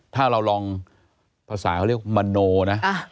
ถ้าเราลองภาษาเขาเรียกมโนนะ